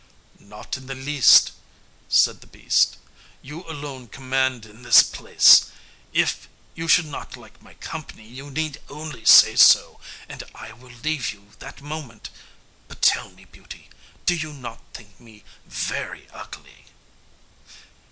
"Not in the least," said the beast; "you alone command in this place. If you should not like my company you need only say so, and I will leave you that moment. But tell me, Beauty, do you not think me very ugly?"